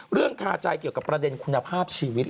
คาใจเกี่ยวกับประเด็นคุณภาพชีวิต